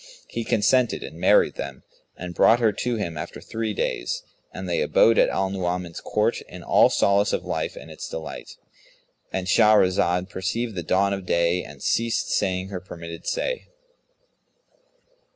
He consented and married them and brought her to him after three days; and they abode at Al Nu'uman's court, in all solace of life and its delight—And Shahrazad perceived the dawn of day and ceased saying her permitted say.